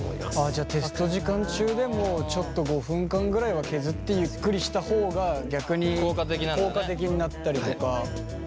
じゃテスト時間中でもちょっと５分間ぐらいは削ってゆっくりした方が逆に効果的になったりとか。